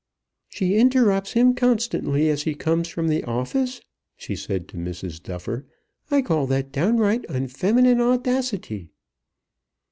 "She interrupts him constantly as he comes from the office," she said to Mrs. Duffer; "I call that downright unfeminine audacity."